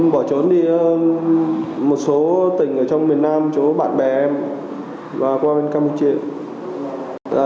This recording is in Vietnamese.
bỏ trốn đi một số tỉnh ở trong miền nam chỗ bạn bè em và qua bên campuchia